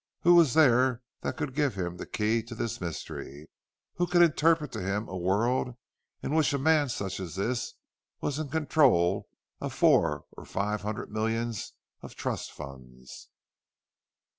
Who was there that could give him the key to this mystery—who could interpret to him a world in which a man such as this was in control of four or five hundred millions of trust funds?